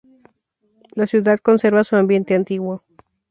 La ciudad conserva su ambiente antiguo.